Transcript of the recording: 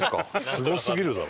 すごすぎるだろ。